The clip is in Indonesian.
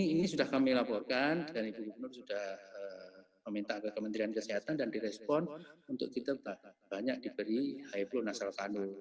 ini sudah kami laporkan dan ibu gubernur sudah meminta ke kementerian kesehatan dan direspon untuk kita banyak diberi high flow nasal tanu